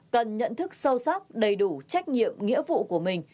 cần nhận thức sâu sắc đầy đủ trách nhiệm nghĩa vụ của mình